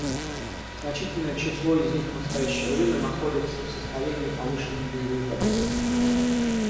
Значительное число из них в настоящее время находятся в состоянии повышенной боевой готовности.